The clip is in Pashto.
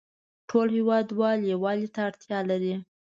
ټول هیوادوال یووالې ته اړتیا لری